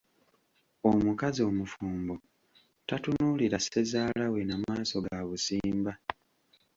Omukazi omufumbo tatunuulira Ssezaala we na maaso ga busimba.